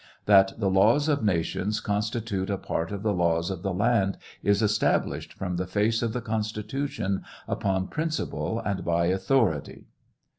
That the laws uf nations constitute a part of the laws of the land is established from the face of the Constitution, upon principle and by authority.